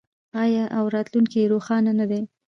آیا او راتلونکی یې روښانه نه دی؟